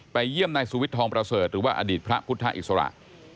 ไปเยี่ยมในสุวิทธองประเสริฐหรือว่าอดีตพระพุทธศาสตรา